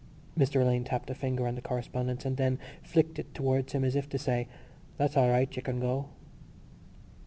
Mr Alleyne tapped a finger on the correspondence and then flicked it towards him as if to say: _"That's all right: you can go."